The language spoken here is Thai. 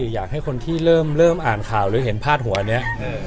อยากให้คนที่เริ่มอ่านข่าวหรือเห็นพาดหัวเนี่ย